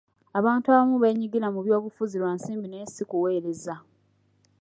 Abantu abamu beenyigira mu byobufuzi lwa nsimbi naye si kuweereza.